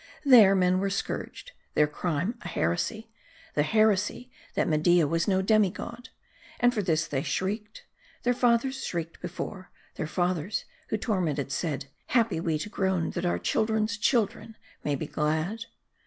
There, men were scourged ; their crime, a heresy ; the heresy, that Media was no demi god. For tjiis they shrieked. Their fathers shrieked be fore ; their fathers, who, tormented, said, " Happy we to groan, that our children's children may be glad."